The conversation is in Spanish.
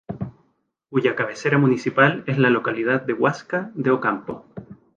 Cuya cabecera municipal es la localidad de Huasca de Ocampo.